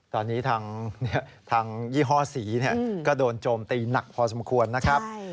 ตอนนี้ทางยี่ห้อสีก็โดนโจมตีหนักพอสมควรนะครับ